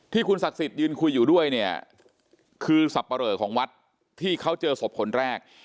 ที่คุณศักดิ์สิทธิ์ยืนคุยอยู่ด้วยเนี่ยคือสับปะเหลอของวัดที่เขาเจอศพคนแรก